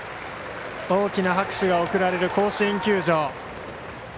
大きな拍手が送られる甲子園球場。